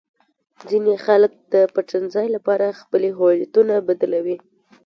ځینې خلک د پټنځای لپاره خپلې هویتونه بدلوي.